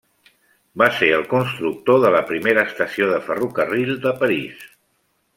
Va ser el constructor de la primera estació de ferrocarril de París.